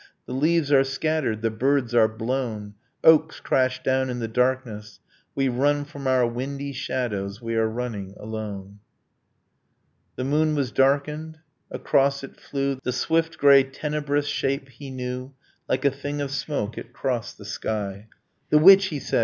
The leaves are scattered, the birds are blown, Oaks crash down in the darkness, We run from our windy shadows; we are running alone. The moon was darkened: across it flew The swift grey tenebrous shape he knew, Like a thing of smoke it crossed the sky, The witch! he said.